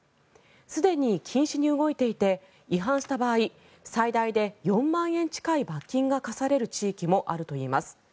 すでに禁止に動いていて違反した場合最大で４万円近い罰金が科される地域もあるといいます。